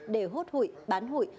để hốt hụi bán hụi